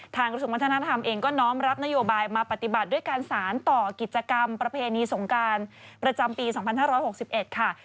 กระทรวงวัฒนธรรมเองก็น้อมรับนโยบายมาปฏิบัติด้วยการสารต่อกิจกรรมประเพณีสงการประจำปี๒๕๖๑ค่ะ